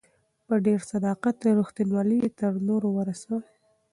په ډېر صداقت او ريښتينوالۍ يې تر نورو رسوي.